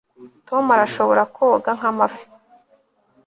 tom arashobora koga nk'amafi